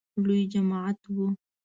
لوی جماعت و .